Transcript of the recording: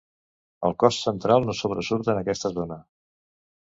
El cos central no sobresurt en aquesta zona.